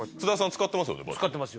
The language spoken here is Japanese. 使ってますよ。